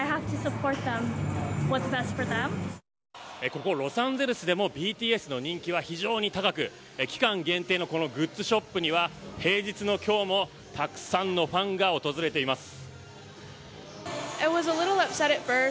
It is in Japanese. ここ、ロサンゼルスでもＢＴＳの人気は非常に高く期間限定のグッズショップには平日の今日もたくさんのファンが訪れています。